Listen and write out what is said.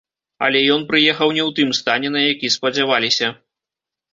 Але ён прыехаў не ў тым стане, на які спадзяваліся.